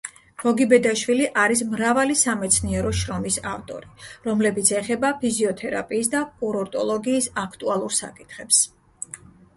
გოგიბედაშვილი არის მრავალი სამეცნიერო შრომის ავტორი, რომლებიც ეხება ფიზიოთერაპიის და კურორტოლოგიის აქტუალურ საკითხებს.